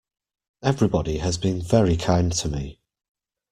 Everybody has been very kind to me.